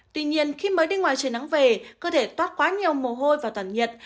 tuy nhiên khi mới đi ngoài trời nắng về cơ thể toát quá nhiều mồ hôi vào toàn nhiệt